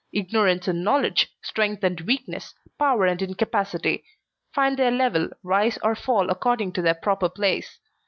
Ignorance and knowledge, strength and weakness, power and incapacity, find their level, rise or fall according to their proper place.